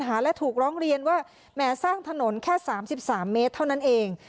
แต่มีปัญหาซึ่งถูกร้องเรียนว่าแหม่สร้างถนนแค่๓๓เมตรเท่านั้นเอง